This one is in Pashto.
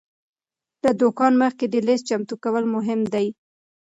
له دوکانه مخکې د لیست چمتو کول مهم دی.